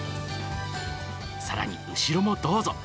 さらに、後ろもどうぞ。